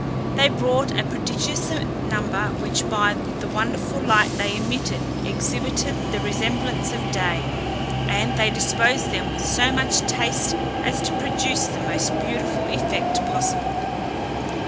They brought a prodigious number, which by the wonderful light they emitted exhibited the resemblance of day, and they disposed them with so much taste as to produce the most beautiful effect possible.